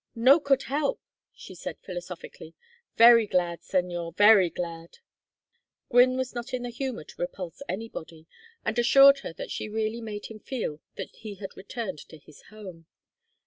"No could help," she said, philosophically. "Very glad, señor, very glad." Gwynne was not in the humor to repulse anybody, and assured her that she really made him feel that he had returned to his home.